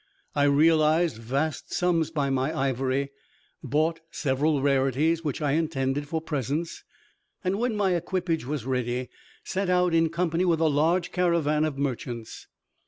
I realized vast sums by my ivory, bought several rarities, which I intended for presents, and when my equipage was ready, set out in company with a large caravan of merchants.